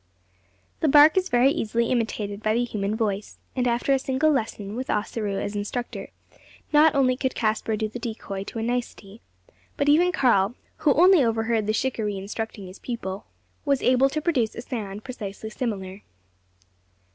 The bark is very easily imitated by the human voice; and after a single lesson, with Ossaroo as instructor, not only could Caspar do the decoy to a nicety, but even Karl, who only overheard the shikaree instructing his pupil, was able to produce a sound precisely similar.